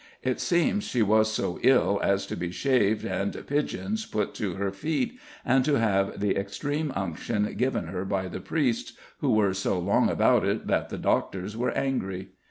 It seems she was so ill as to be shaved and pidgeons put to her feet, and to have the extreme unction given her by the priests, who were so long about it that the doctors were angry.